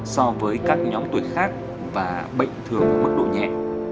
so với các nhóm tuổi khác và bệnh thường mức độ nhẹ